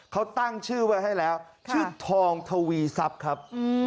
เขาตั้งชื่อไว้ให้แล้วชื่อทองทวีทรัพย์ครับ